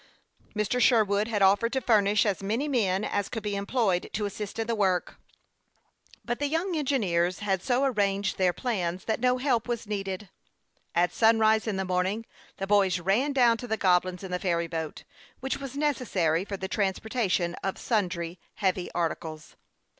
Mr. Sherwood had offered to furnish as many men as could be employed to assist in the work ; but the young engineers had so arranged their plans that no help was needed. At sunrise in the morning the boys ran down to the Goblins in the ferry boat, which was necessary for the transportation of sundry heavy articles.